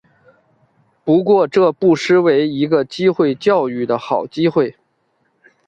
不过这不失为一个机会教育的好机会